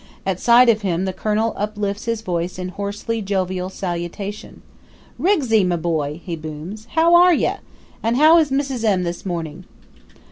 At sight of him the Colonel uplifts his voice in hoarsely jovial salutation: "Rigsy, my boy," he booms, "how are you? And how is Mrs. M. this morning?"